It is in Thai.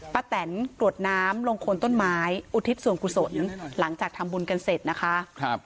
แตนกรวดน้ำลงโคนต้นไม้อุทิศส่วนกุศลหลังจากทำบุญกันเสร็จนะคะ